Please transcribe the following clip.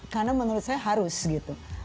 karena menurut saya harus gitu